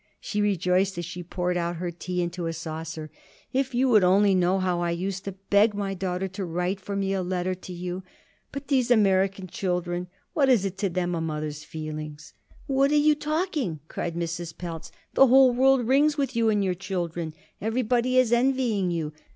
she rejoiced as she poured out her tea into a saucer. "If you would only know how I used to beg my daughter to write for me a letter to you; but these American children, what is to them a mother's feelings?" "What are you talking!" cried Mrs. Pelz. "The whole world rings with you and your children. Everybody is envying you.